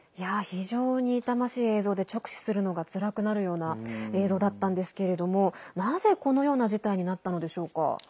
非常に痛ましい映像で直視するのがつらくなるような映像だったんですけれどもなぜ、このような事態になったのでしょうか。